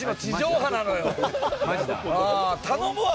頼むわ！